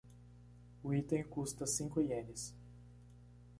O item custa cinco ienes.